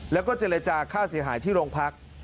และเจรจากฆ่าศิหายที่โรงพรรค